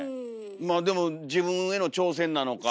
まあでも自分への挑戦なのか。